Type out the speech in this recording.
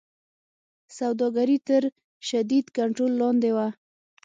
سوداګري تر شدید کنټرول لاندې وه.